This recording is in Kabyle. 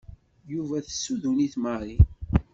Yuba tessuden-it Marie.